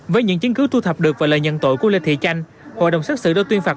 với những chứng cứ thu thập được và lời nhận tội của lê thị chanh hội đồng xác xử đã tuyên phạt